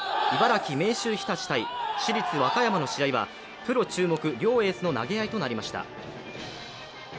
茨城・明秀日立×市立和歌山の試合はプロ注目、両エースの投げ合いとなりました。